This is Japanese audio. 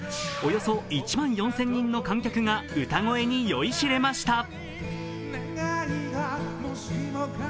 およそ１万４０００人の観客が歌声に酔いしれました。